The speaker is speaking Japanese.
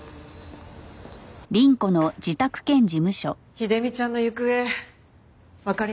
秀美ちゃんの行方わかりましたか？